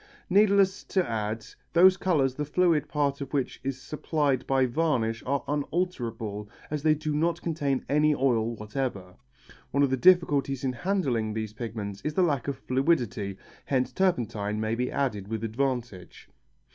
Needless to add, those colours the fluid part of which is supplied by varnish are unalterable as they do not contain any oil whatever. One of the difficulties in handling these pigments is the lack of fluidity, hence turpentine may be added with advantage.